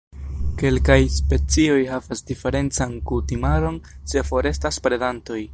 Kelkaj specioj havas diferencan kutimaron se forestas predantoj.